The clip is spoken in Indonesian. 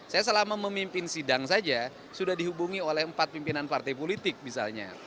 saya selama memimpin sidang saja sudah dihubungi oleh empat pimpinan partai politik misalnya